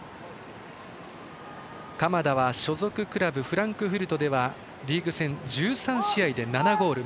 鎌田は所属クラブフランクフルトではリーグ戦１３試合で７ゴール。